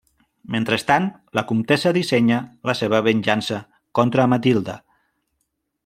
Mentrestant, la comtessa dissenya la seva venjança contra Matilde.